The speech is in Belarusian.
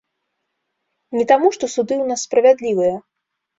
Не таму, што суды ў нас справядлівыя.